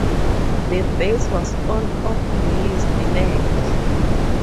The base was on of leased land.